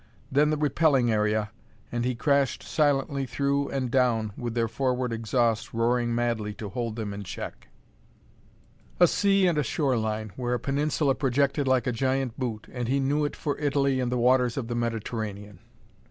Then the repelling area and he crashed silently through and down, with their forward exhaust roaring madly to hold them in check. A sea and a shoreline, where a peninsula projected like a giant boot and he knew it for Italy and the waters of the Mediterranean.